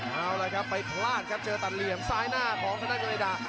เอาล่ะครับไปพลาดครับเจอตัดเหลี่ยมซ้ายหน้าของทางด้านกฎิดา